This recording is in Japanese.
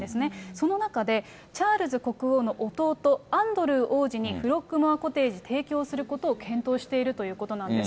その中で、チャールズ国王の弟、アンドルー王子にフロッグモア・コテージ提供することを検討しているということなんです。